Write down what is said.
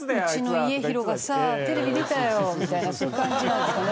「うちの家広がさテレビ出たよ」みたいなそういう感じなんですかね。